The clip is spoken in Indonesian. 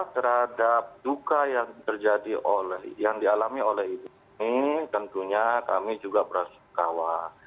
terhadap duga yang terjadi oleh yang dialami oleh ini tentunya kami juga berasal kawa